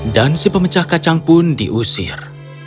dan si pemecah kacang pun diusir